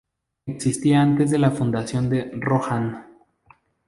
Existía antes de la fundación de Rohan.